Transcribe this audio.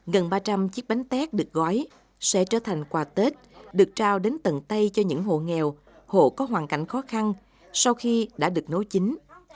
gần ba trăm linh chiếc bánh tét được gói sẽ trở thành quà tết được trao đến tầng tay cho những hộ nghèo hộ có hoàn cảnh khó khăn sau khi đã được nối chính